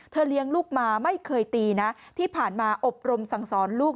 เลี้ยงลูกมาไม่เคยตีนะที่ผ่านมาอบรมสั่งสอนลูก